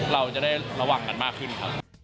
เราจะได้ระวังกันมากขึ้นครับ